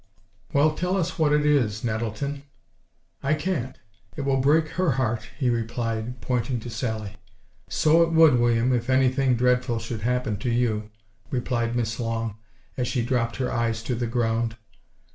"Well, tell us what it is, Nettleton?" "I can't! It will break her heart!" he replied, pointing to Sally. "So it would, William, if any thing dreadful should happen to you!" replied Miss Long, as she dropped her eyes to the ground.